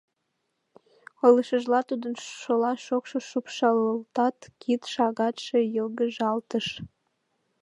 — Ойлышыжла, тудын шола шокшшо шупшылалтат, кид шагатше йылгыжалтыш.